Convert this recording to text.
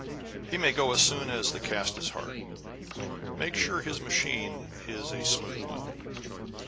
"He may go as soon as the cast is hard. Make sure his machine is a smooth one."